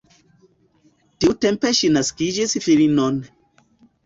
Tiutempe ŝi naskis filinon.